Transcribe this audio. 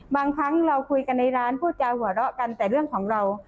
บางครั้งเราคุยกันในร้านพูดจาหัวเราะกันแต่เรื่องของเรา